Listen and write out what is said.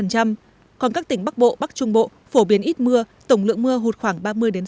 còn các tỉnh bắc bộ bắc trung bộ phổ biến ít mưa tổng lượng mưa hụt khoảng ba mươi sáu mươi